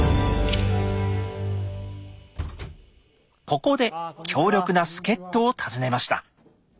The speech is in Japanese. ここで強力な助っ人を訪ねました。